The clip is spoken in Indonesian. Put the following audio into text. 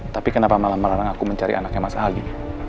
tapi kenapa malah melarang aku mencari anaknya mas aldi